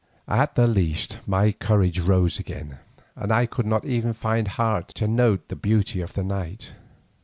At the least my courage rose again, and I could even find heart to note the beauty of the night.